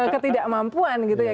ketidakmampuan gitu ya